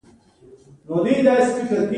د کوڅه رڼا هم د دوی په زړونو کې ځلېده.